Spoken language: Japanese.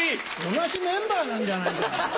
同じメンバーなんじゃないか。